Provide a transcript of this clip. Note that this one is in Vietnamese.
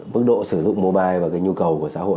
mức độ sử dụng mobile và cái nhu cầu của xã hội